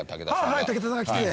はい武田さんが来て。